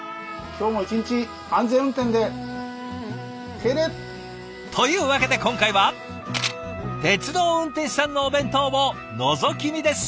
今日も一日安全運転で敬礼！というわけで今回は鉄道運転士さんのお弁当をのぞき見です。